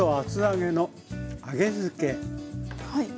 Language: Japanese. はい。